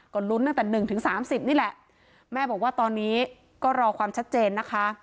ก็ลุ้นตั้งแต่หนึ่งถึงสามสิบนี่แหละแม่บอกว่าตอนนี้ก็รอความชัดเจนนะคะ